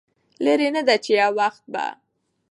لرې نه ده چې يو وخت به